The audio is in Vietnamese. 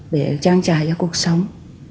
để trang trải cho cuộc sống